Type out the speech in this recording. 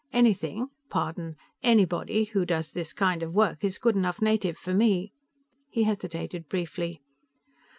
"Anything pardon, anybody who does this kind of work is good enough native for me." He hesitated briefly.